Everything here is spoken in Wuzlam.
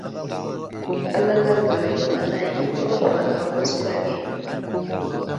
Alal andra yo anay nəhwal a kwaskwa ge.